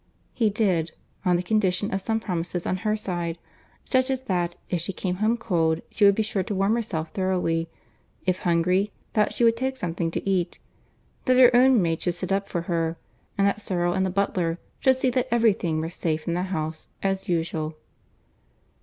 He did, on the condition of some promises on her side: such as that, if she came home cold, she would be sure to warm herself thoroughly; if hungry, that she would take something to eat; that her own maid should sit up for her; and that Serle and the butler should see that every thing were safe in the house, as usual.